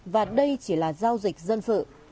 và đây chỉ là giao dịch dân sự